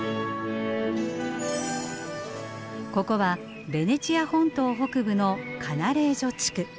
ここはベネチア本島北部のカナレージョ地区。